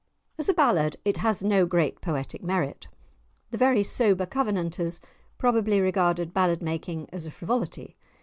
As a ballad it has no great poetic merit; the very sober Covenanters probably regarded ballad making as a frivolity.